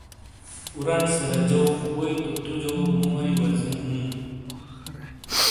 اورانڈ سے رجو ووئی تُو جو مُو واری وزیو ہوں۔